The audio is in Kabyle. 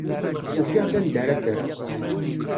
Ufiɣ-d anda ara ddreɣ.